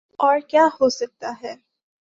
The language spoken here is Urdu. اورکیا ہوسکتاہے؟